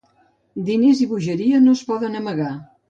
Diners i bogeria no es poden amagar.